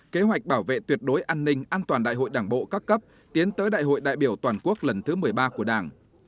kế hoạch bảo vệ tuyệt đối an ninh an toàn đại hội đảng bộ các cấp tiến tới đại hội đại biểu toàn quốc lần thứ một mươi ba của đảng